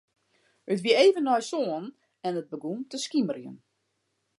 It wie even nei sânen en it begûn te skimerjen.